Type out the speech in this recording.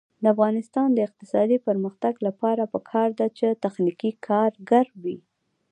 د افغانستان د اقتصادي پرمختګ لپاره پکار ده چې تخنیکي کارګر وي.